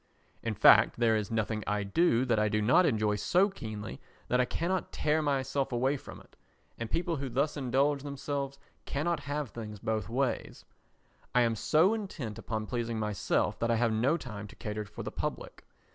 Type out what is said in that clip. In fact there is nothing I do that I do not enjoy so keenly that I cannot tear myself away from it, and people who thus indulge themselves cannot have things both ways. I am so intent upon pleasing myself that I have no time to cater for the public.